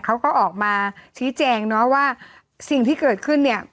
เขาก็ออกมาชี้แจงเนาะว่าสิ่งที่เกิดขึ้นเนี่ย